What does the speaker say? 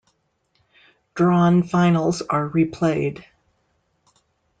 Drawn finals are replayed.